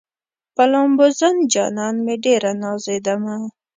په لامبوزن جانان مې ډېره نازېدمه